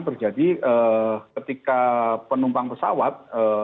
berjadi ketika penumpang pesawat